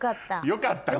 よかったね。